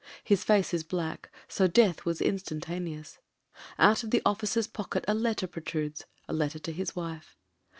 His face is black, so death was instan taneous. Out of the officer's pocket a letter protrudes — 2L letter to his wife.